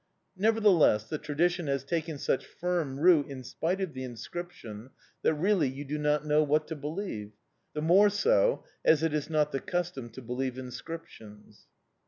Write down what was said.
Nevertheless, the tradition has taken such firm root, in spite of the inscription, that really you do not know what to believe; the more so, as it is not the custom to believe inscriptions.